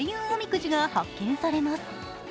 おみくじが発券されます。